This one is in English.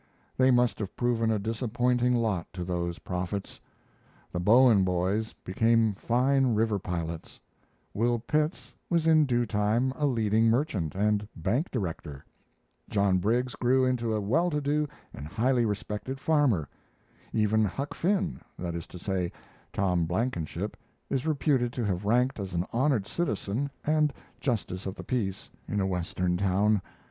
They must have proven a disappointing lot to those prophets. The Bowen boys became fine river pilots; Will Pitts was in due time a leading merchant and bank director; John Briggs grew into a well to do and highly respected farmer; even Huck Finn that is to say, Tom Blankenship is reputed to have ranked as an honored citizen and justice of the peace in a Western town.